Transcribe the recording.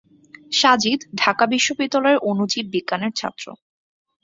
সাজিদ ঢাকা বিশ্ববিদ্যালয়ের অণুজীব বিজ্ঞানের ছাত্র।